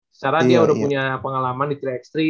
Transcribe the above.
secara dia udah punya pengalaman di tri xtree